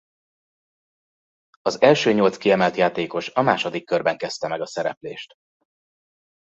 Az első nyolc kiemelt játékos a második körben kezdte meg a szereplést.